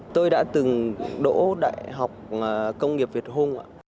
tôi đã từng đỗ đại học công nghiệp việt hùng ạ